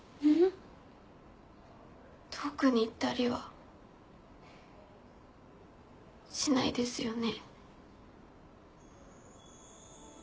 遠くに行ったりはしないですよね？